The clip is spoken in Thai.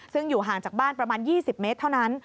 ซึ่งอยู่ห่างจากบ้านประมาณ๒๐เมตรเท่านั้น